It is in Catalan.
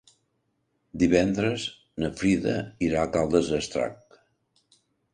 Divendres na Frida irà a Caldes d'Estrac.